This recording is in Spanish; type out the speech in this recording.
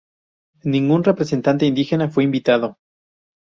Ningún representante indígena fue invitado.